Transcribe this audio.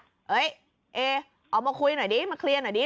เอ้ยเอออกมาคุยหน่อยดิมาเคลียร์หน่อยดิ